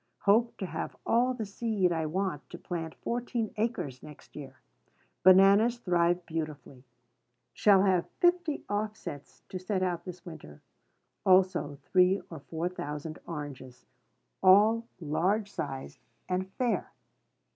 Hope to have all the seed I want to plant fourteen acres next year. Bananas thrive beautifully; shall have fifty offsets to set out this winter; also three or four thousand oranges, all large sized and fair.